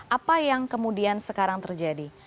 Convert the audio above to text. apa yang kemudian sekarang terjadi